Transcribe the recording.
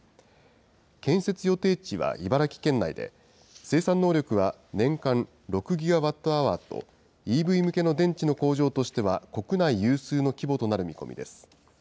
建設予定地は茨城県内で、生産能力は、年間６ギガワットアワーと、ＥＶ向けの電池の工場としては国内有数の規模となる見込みです。